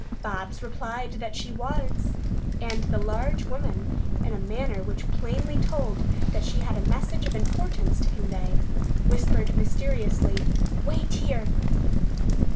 Bobs replied that she was, and the large woman, in a manner which plainly told that she had a message of importance to convey, whispered mysteriously, "Wait here!"